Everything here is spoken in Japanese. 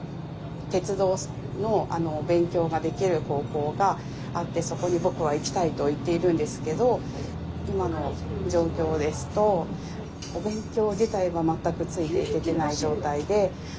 鉄道の勉強ができる高校があって「そこに僕は行きたい」と言っているんですけど今の状況ですとお勉強自体は全くついていけてない状態で。